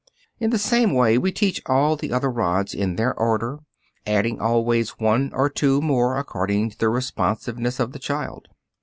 In the same way we teach all the other rods in their order, adding always one or two more according to the responsiveness of the child.